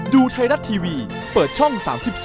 ดูไทยรัฐทีวีเปิดช่อง๓๒